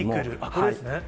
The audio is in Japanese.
これですね。